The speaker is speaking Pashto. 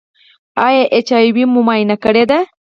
ایا ایچ آی وي مو معاینه کړی دی؟